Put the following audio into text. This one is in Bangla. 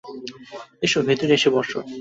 এস, ভেতরে এসে বস।